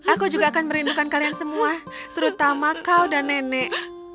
aku juga akan merindukan kalian semua terutama kau dan nenek